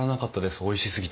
おいしすぎて。